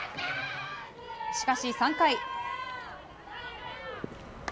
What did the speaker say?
しかし、３回。